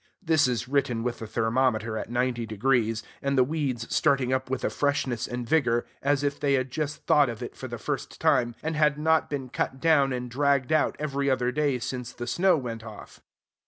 (This is written with the thermometer at ninety degrees, and the weeds starting up with a freshness and vigor, as if they had just thought of it for the first time, and had not been cut down and dragged out every other day since the snow went off.)